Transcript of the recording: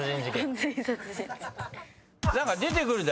何か出てくるんだよ。